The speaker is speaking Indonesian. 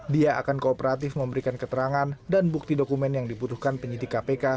dia akan kooperatif memberikan keterangan dan bukti dokumen yang dibutuhkan penyidik kpk